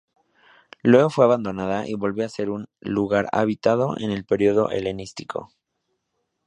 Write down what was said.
Luego fue abandonada y volvió a ser un lugar habitado en el periodo helenístico.